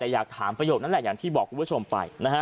อยากถามประโยชน์นั้นแหละบอกท่านผู้ชมไป